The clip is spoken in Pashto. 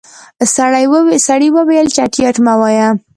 سړی وويل چټياټ مه وايه.